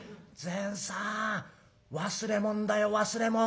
「善さん忘れ物だよ忘れ物。